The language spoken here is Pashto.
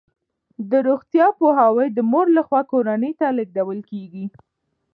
د روغتیا پوهاوی د مور لخوا کورنۍ ته لیږدول کیږي.